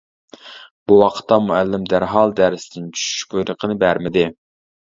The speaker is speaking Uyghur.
بۇ ۋاقىتتا مۇئەللىم دەرھال دەرستىن چۈشۈش بۇيرۇقىنى بەرمىدى.